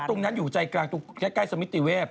ตรงนั้นอยู่ใจกลางใกล้สมิติเวฟ